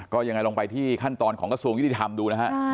ก็ยังไงลองไปที่ขั้นตอนของกระทรวงยุติธรรมดูนะฮะ